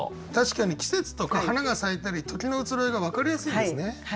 確かに季節とか花が咲いたり時の移ろいが分かりやすいですね。